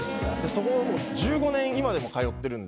そこ１５年今でも通ってるんで。